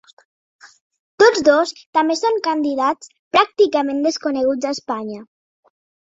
Tots dos també són candidats pràcticament desconeguts a Espanya.